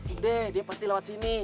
udah dia pasti lewat sini